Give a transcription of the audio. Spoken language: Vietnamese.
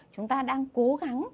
chúng ta đang cố gắng